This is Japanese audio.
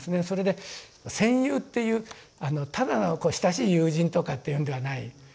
それで「戦友」っていうただの親しい友人とかっていうのではない。